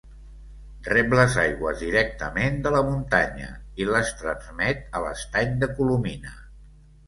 Rep les aigües directament de la muntanya i les transmet a l'Estany de Colomina.